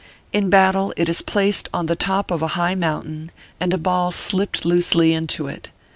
In battle it is placed on the top of a high mountain, and a ball slipped loosely into it.